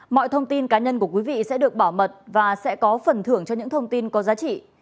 mọi thông tin cá nhân của quý vị sẽ được bảo mật và sẽ có phần thưởng cho những thông tin có giá trị